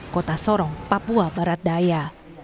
kota sorong papua barat daya